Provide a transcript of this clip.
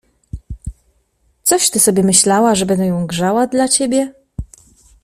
— Coś ty sobie myślała, że będę ją grzała dla ciebie?